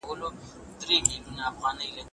د تاريخ پاڼې زرينې کړئ.